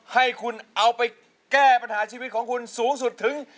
ให้คุณเอาไปแก้ปัญหาชีวิตของคุณสูงสุดถึง